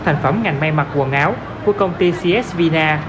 thành phẩm ngành mai mạc quần áo của công ty csvna